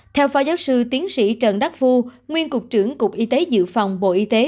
theo phó giáo sư tiến sĩ trần đắc phu nguyên cục trưởng cục y tế dự phòng bộ y tế